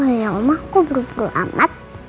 oh ya omah kok buru buru amat